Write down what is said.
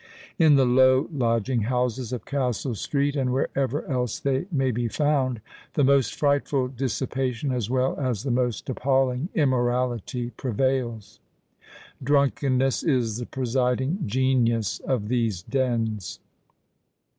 In the low lodging houses of Castle Street, and wherever else they may be found, the most frightful dissipation as well as the most appalling immorality prevails. Drunkenness is the presiding genius of these dens.